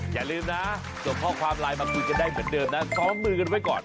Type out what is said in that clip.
อย่าลืมนะส่งข้อความไลน์มาคุยกันได้เหมือนเดิมนะซ้อมมือกันไว้ก่อน